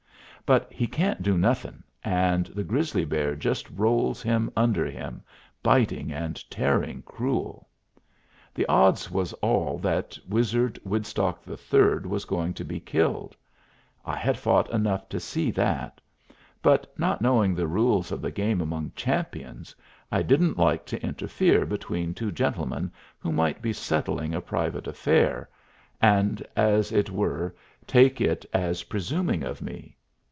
But he can't do nothing, and the grizzly bear just rolls him under him, biting and tearing cruel. The odds was all that Woodstock Wizard III was going to be killed; I had fought enough to see that: but not knowing the rules of the game among champions, I didn't like to interfere between two gentlemen who might be settling a private affair, and, as it were, take it as presuming of me.